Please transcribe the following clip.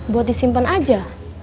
buat disimpen aja